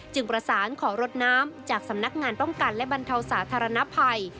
ประสานขอรถน้ำจากสำนักงานป้องกันและบรรเทาสาธารณภัย